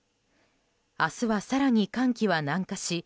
明日は更に寒気は南下し